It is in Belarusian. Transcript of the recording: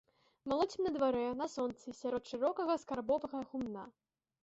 Малоцім на дварэ, на сонцы, сярод шырокага скарбовага гумна.